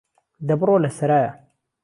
ده بڕۆ له سهرایه